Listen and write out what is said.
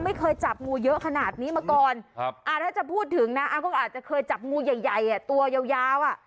ไม่เคยจับงูเยอะขนาดนี้มาก่อนถ้าจะพูดถึงนะก็อาจจะเคยจับงูใหญ่ใหญ่อ่ะตัวยาวอ่ะ